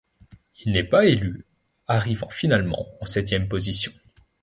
Il n'est pas élu, arrivant finalement en septième position.